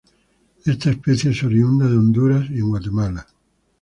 Esta especie es oriunda de Honduras y en Guatemala.